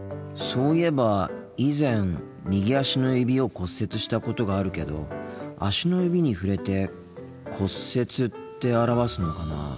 そういえば以前右足の指を骨折したことがあるけど足の指に触れて「骨折」って表すのかな。